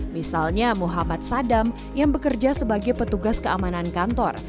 misalnya muhammad sadam yang bekerja sebagai petugas keamanan kantor